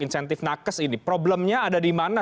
insentif nakes ini problemnya ada di mana